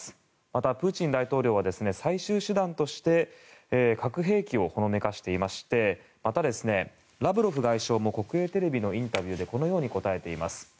またプーチン大統領は最終手段として核兵器をほのめかしていましてまた、ラブロフ外相も国営テレビのインタビューでこのように答えています。